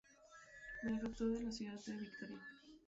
Benefactor de la ciudad de Victoria.